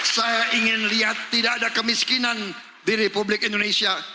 saya ingin lihat tidak ada kemiskinan di republik indonesia